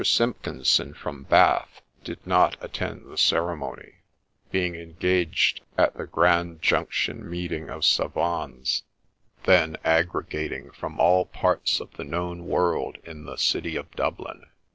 Simpkinson from Bath did not attend the ceremony, being engaged at the Grand Junction Meeting of Sfavans, then con 24 THE SPECTRE OF TAPPINGTON gregating from all parts of the known world in the city of Dublin.